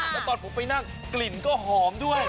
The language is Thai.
แล้วตอนผมไปนั่งกลิ่นก็หอมด้วย